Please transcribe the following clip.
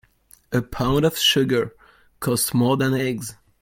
A pound of sugar costs more than eggs.